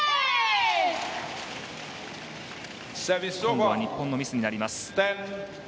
今度は日本のミスになります。